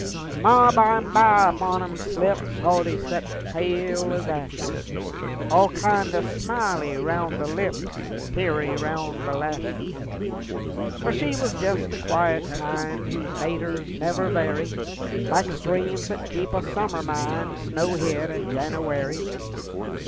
When Ma bimeby upon 'em slips, Huldy sot pale ez ashes, All kin' o' smily roun' the lips An' teary roun' the lashes. For she was jes' the quiet kind Whose naturs never vary, Like streams that keep a summer mind Snowhid in Jenooary.